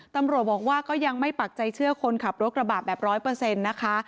ตำรวจบอกว่าก็ยังไม่ปักใจเชื่อคนขับรถกระบะแบบ๑๐๐นะคะ